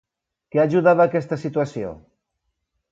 Què ajudava aquesta situació?